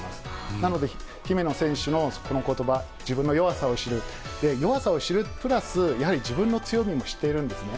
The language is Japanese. なので、姫野選手のこのことば、自分の弱さを知る、弱さを知るプラス、やはり自分の強みも知っているんですね。